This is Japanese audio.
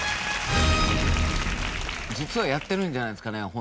実はやってるんじゃないですかね